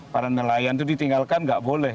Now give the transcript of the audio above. para nelayan itu ditinggalkan nggak boleh